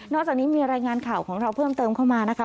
จากนี้มีรายงานข่าวของเราเพิ่มเติมเข้ามานะคะ